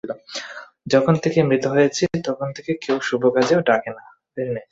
যখন থেকে মৃত হয়েছি, তখন থেকে কেউ শুভ কাজেও ডাকে না।